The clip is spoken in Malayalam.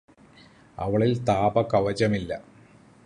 അവളില് താപകവചമില്ല